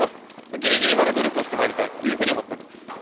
ぎりぎりまで努力をしてまいりたいというふうに思っております。